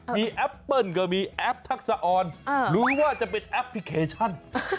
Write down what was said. มีแอปเปิ้ลก็มีแอปทักษะออนรู้ว่าจะเป็นแอปพลิเคชัน